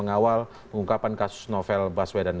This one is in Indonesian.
mengawal pengungkapan kasus novel baswedan